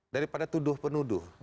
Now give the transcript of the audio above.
dari pada tuduh penuduh